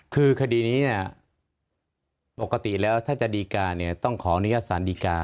คือคดีนี้เนี่ยปกติแล้วถ้าจะดีการเนี่ยต้องขออนุญาตสารดีกา